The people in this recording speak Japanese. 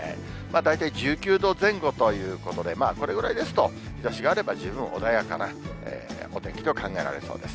大体１９度前後ということで、まあこれぐらいですと、日ざしがあれば十分穏やかなお天気と考えられそうです。